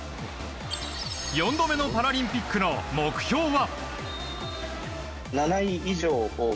４度目のパラリンピックの目標は。